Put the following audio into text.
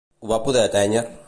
Ho va poder atènyer?